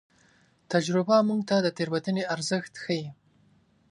تجربه موږ ته د تېروتنې ارزښت ښيي.